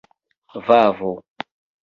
vavo